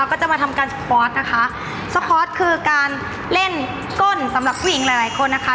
ก็จะมาทำการสปอร์ตนะคะสปอร์ตคือการเล่นก้นสำหรับผู้หญิงหลายหลายคนนะคะ